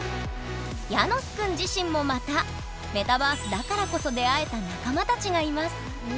ヤノスくん自身もまたメタバースだからこそ出会えた仲間たちがいます